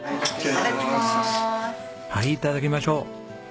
はいいただきましょう。